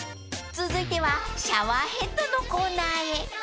［続いてはシャワーヘッドのコーナーへ］